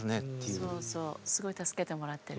そうそうすごい助けてもらってる。